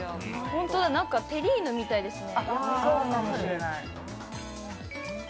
本当だ、何かテリーヌみたいですね。